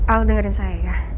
al dengerin saya ya